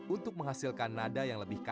untuk menghasilkan nada yang lebih kaya